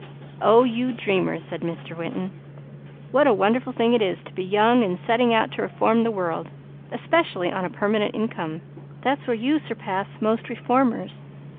"Oh you dreamers!" cried Mr. Winton. "What a wonderful thing it is to be young and setting out to reform the world, especially on a permanent income. That's where you surpass most reformers."